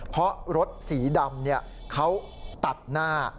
เพราะรถสีดำเขาตัดหน้า